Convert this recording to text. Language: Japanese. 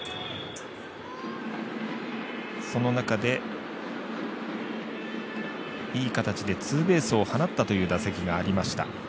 その中で、いい形でツーベースを放ったという打席がありました。